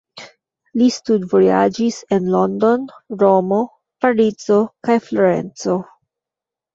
Li studvojaĝis en London, Romo, Parizo, kaj Florenco.